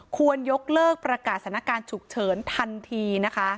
ควรยกเลิกประกาศสถานการณ์ฉุกเฉินทันทีนะคะ